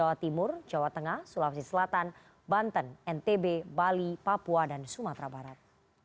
jawa timur jawa tengah sulawesi selatan banten ntb bali papua dan sumatera barat